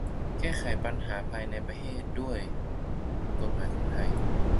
แก้ไขปัญหาภายในของประเทศด้วยกฎหมายไทย